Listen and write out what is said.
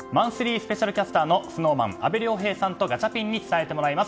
スペシャルキャスターのＳｎｏｗＭａｎの阿部亮平さんとガチャピンに伝えてもらいます。